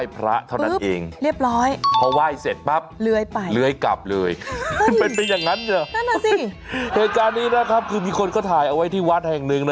เพราะงูที่นี่นั้นใช้มาไหว้พระเท่านั้นเอง